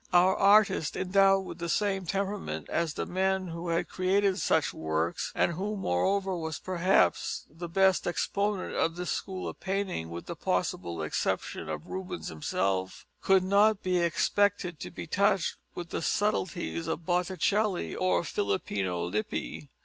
Our artist, endowed with the same temperament as the men who had created such works, and who moreover was perhaps the best exponent of this school of painting, with the possible exception of Rubens himself, could not be expected to be touched with the subtleties of Botticelli or Filippino Lippi.